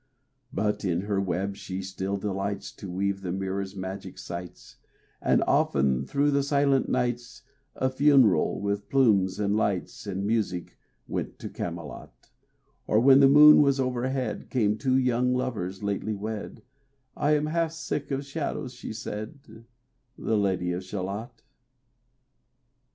But in her web she still delights To weave the mirror's magic sights, For often through the silent nights A funeral, with plumes and lights And music, went to Camelot: Or when the moon was overhead, Came two young lovers lately wed; I am half sick of shadows," said The Lady of Shalott.